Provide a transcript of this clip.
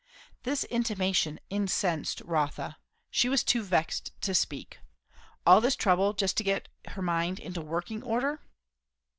This intimation incensed Rotha. She was too vexed to speak. All this trouble just to get her mind into working order?